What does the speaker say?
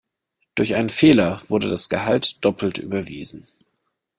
Durch einen Fehler wurde das Gehalt doppelt überwiesen.